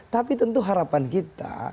tapi tentu harapan kita